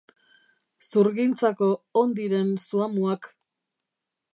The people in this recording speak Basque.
Zurgintzako on diren zuhamuak.